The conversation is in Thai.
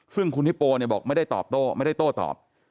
ซึ่งคุณฮิปโปบอกไม่ได้ตอบโต้ไม่ได้โต้ตอบ